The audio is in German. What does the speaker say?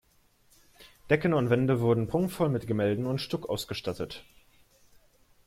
Decken und Wände wurden prunkvoll mit Gemälden und Stuck ausgestattet.